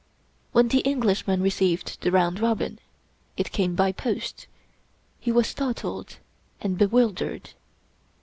When the Englishman received the round robin — it came by post — he was startled and bewildered.